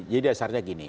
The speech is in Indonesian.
jadi dasarnya gini